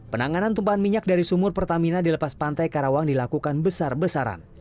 penanganan tumpahan minyak dari sumur pertamina di lepas pantai karawang dilakukan besar besaran